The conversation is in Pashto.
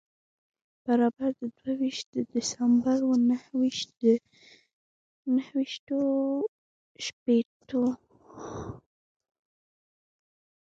برابر د دوه ویشت د دسمبر و نهه ویشت و شپېتو.